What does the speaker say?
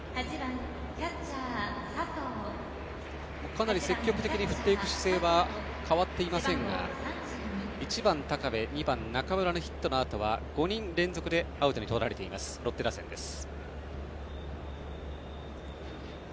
かなり積極的に振っていく姿勢は変わっていませんが１番、高部２番、中村のヒットのあとは５人連続でアウトにとられているロッテ打線です。